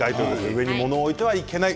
上に物を置いてはいけない。